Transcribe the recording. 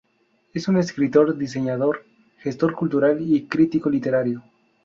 Es un escritor, diseñador, gestor cultural y crítico literario.